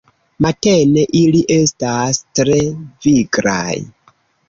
Matene ili estas tre viglaj.